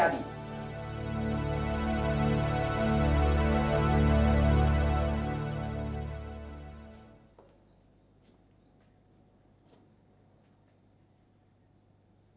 jangan lupa untuk berhenti